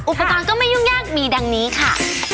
อุปกรณ์ก็ไม่ยุ่งยากมีดังนี้ค่ะ